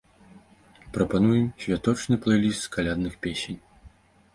Прапануем святочны плэй-ліст з калядных песень.